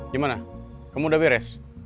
gimana kamu udah beres